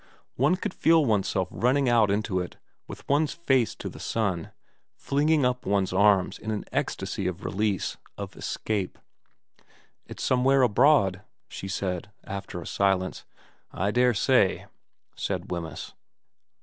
One could feel oneself running out into it with one's face to the sun, flinging up one's arms in an ecstasy of release, of escape. ...' It's somewhere abroad,' she said, after a silence. ' I daresay/ said Wemyss.